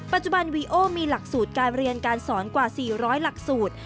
ปัจจุบันวีโอมีหลักสูตรการเรียนการสอนกว่า๔๐๐หลักสูตร